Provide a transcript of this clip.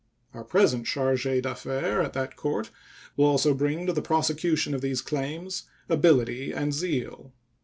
Our present charge d'affaires at that Court will also bring to the prosecution of these claims ability and zeal.